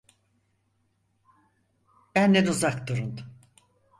Benden uzak durun!